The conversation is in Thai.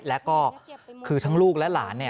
แล้วก็คือทั้งลูกและหลาน